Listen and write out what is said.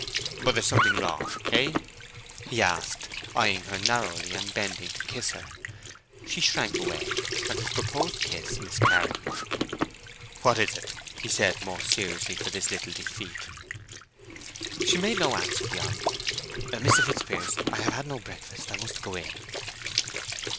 "But there's something wrong—eh?" he asked, eying her narrowly, and bending to kiss her. She shrank away, and his purposed kiss miscarried. "What is it?" he said, more seriously for this little defeat. She made no answer beyond, "Mr. Fitzpiers, I have had no breakfast, I must go in."